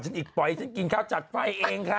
แต่ฉันกินข้าวจัดไปเองค่ะ